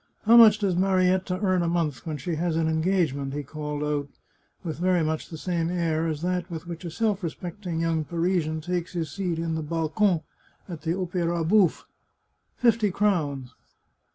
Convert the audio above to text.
" How much does Marietta earn a month when she has an engagement ?" he called out, with very much the same air as that with which a self respecting young Parisian takes his seat in the balcon at the Opera Bouffe. " Fifty crowns."